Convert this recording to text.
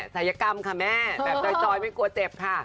สายกรรมค่ะแม่แบบจอยไม่กลัวเจ็บค่ะ